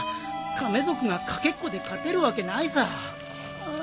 亀族が駆けっこで勝てるわけないさ。